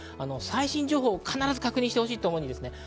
最新情報を必ず確認してほしいと思います。